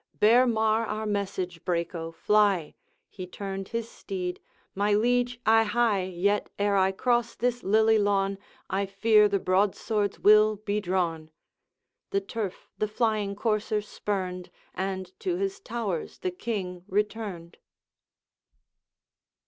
Bear Mar our message, Braco, fly!' He turned his steed, 'My liege, I hie, Yet ere I cross this lily lawn I fear the broadswords will be drawn.' The turf the flying courser spurned, And to his towers the King returned.